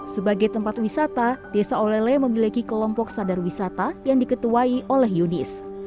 sebagai tempat wisata desa olele memiliki kelompok sadar wisata yang diketuai oleh yunis